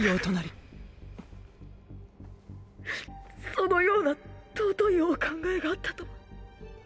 そのような尊いお考えがあったとは。